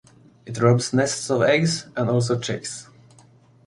It robs nests of eggs and also chicks.